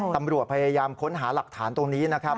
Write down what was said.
ตำรวจพยายามค้นหาหลักฐานตรงนี้นะครับ